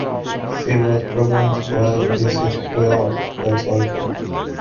She was pregnant while visiting Puerto Rico.